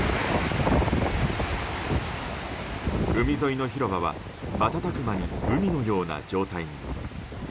海沿いの広場はまたたく間に海のような状態に。